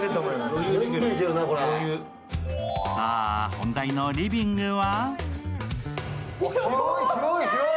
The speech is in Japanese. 本題のリビングは？